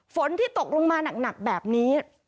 ฝนที่ตกลงมาหนักแบบนี้